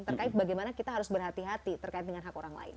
terkait bagaimana kita harus berhati hati terkait dengan hak orang lain